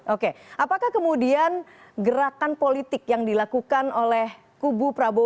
oke apakah kemudian gerakan politik yang dilakukan oleh kubu prabowo